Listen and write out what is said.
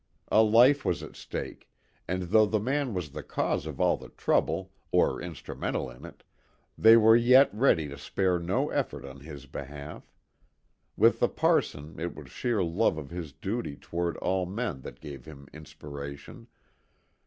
A life was at stake, and though the man was the cause of all the trouble, or instrumental in it, they were yet ready to spare no effort on his behalf. With the parson it was sheer love of his duty toward all men that gave him inspiration.